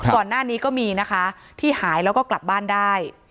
ก่อนหน้านี้ก็มีนะคะที่หายแล้วก็กลับบ้านได้